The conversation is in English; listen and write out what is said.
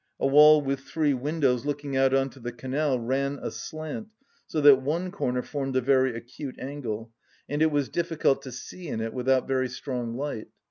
A wall with three windows looking out on to the canal ran aslant so that one corner formed a very acute angle, and it was difficult to see in it without very strong light.